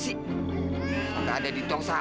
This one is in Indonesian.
cuman dapet duit banyak